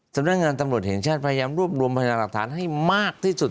จะได้งานตำรวจเห็นชาติพยายามรวบรวมพยาบาลหลักฐานให้มากที่สุด